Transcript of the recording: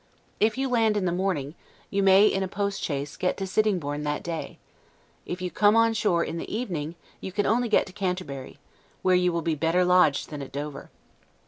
If you land in the morning, you may, in a postchaise, get to Sittingborne that day; if you come on shore in the evening, you can only get to Canterbury, where you will be better lodged than at Dover.